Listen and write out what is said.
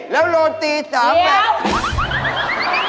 แล้วโรตี้สามแดกเดี๋ยว